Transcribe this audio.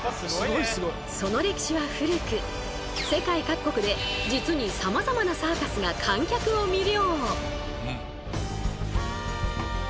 その歴史は古く世界各国で実にさまざまなサーカスが観客を魅了。